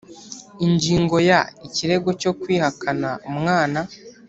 ingingo ya…: ikirego cyo kwihakana umwana